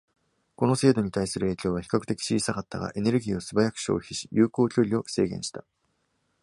この精度に対する影響は比較的小さかったが、エネルギーを素早く消費し、有効距離を制限した。